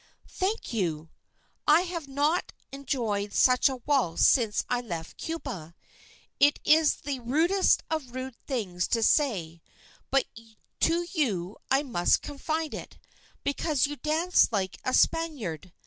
"Thank you! I have not enjoyed such a waltz since I left Cuba. It is the rudest of rude things to say, but to you I may confide it, because you dance like a Spaniard.